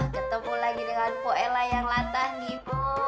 ketemu lagi dengan puk ella yang latah nih bu